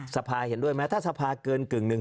สภาเห็นด้วยไหมถ้าสภาเกินกึ่งหนึ่ง